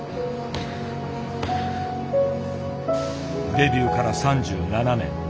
デビューから３７年。